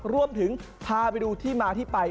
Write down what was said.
รวมถึงพาไปดูที่มาที่ไป